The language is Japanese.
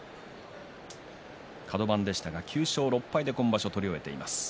カド番でしたが９勝６敗で今場所を取り終えています。